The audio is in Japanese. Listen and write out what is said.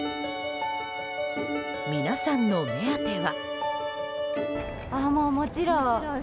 皆さんの目当ては。